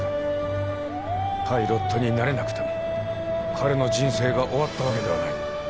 パイロットになれなくても彼の人生が終わったわけではない。